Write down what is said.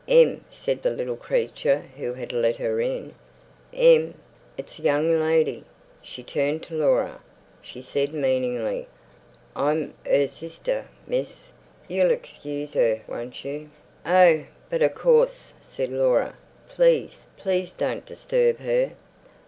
"Em," said the little creature who had let her in. "Em! It's a young lady." She turned to Laura. She said meaningly, "I'm 'er sister, miss. You'll excuse 'er, won't you?" "Oh, but of course!" said Laura. "Please, please don't disturb her.